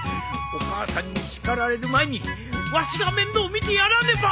お母さんに叱られる前にわしが面倒を見てやらねば